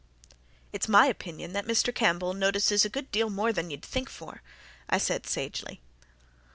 "It's my opinion that Mr. Campbell notices a good deal more than you'd think for," I said sagely.